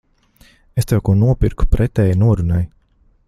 Es tev ko nopirku pretēji norunai.